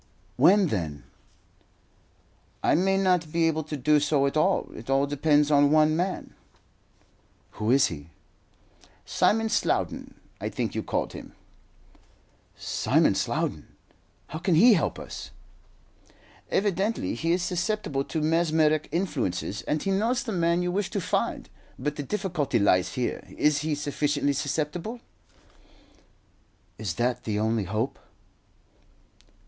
"When, then?" "I may not be able to do so at all. It all depends on one man." "Who is he?" "Simon Slowden, I think you called him." "Simon Slowden! How can he help us?" "Evidently he is susceptible to mesmeric influences, and he knows the man you wish to find. But the difficulty lies here. Is he sufficiently susceptible?" "Is that the only hope?"